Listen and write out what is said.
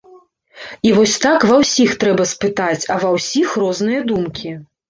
І вось так ва ўсіх трэба спытаць, а ва ўсіх розныя думкі.